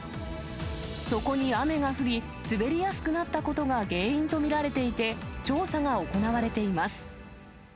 そこに雨が降り、滑りやすくなったことが原因と見られていて、調査が行われています。